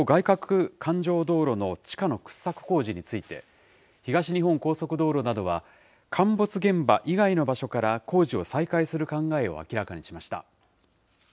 かく環状道路の地下の掘削工事について、東日本高速道路などは、陥没現場以外の場所から工事を再開する考えを明らかにしました。